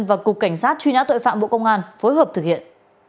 và cục cảnh sát truy nã tội phạm bộ công an phối hợp thực hiện